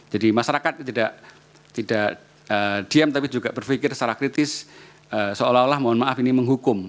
jadi masyarakat tidak diam tapi juga berpikir secara kritis seolah olah mohon maaf ini mohon maaf itu tak ada juga